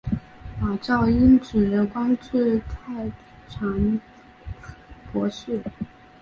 马韶因此官至太常博士。